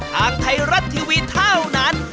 ทางไทยรัฐทีวีเท่านั้น